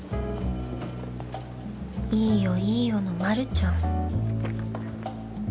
「いいよいいよ」のまるちゃん。